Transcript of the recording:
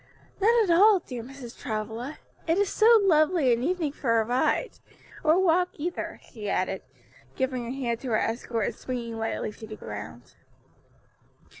"Not at all, dear Mrs. Travilla; it is so lovely an evening for a ride; or walk either," she added, giving her hand to her escort and springing lightly to the ground.